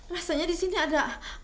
rasanya disini ada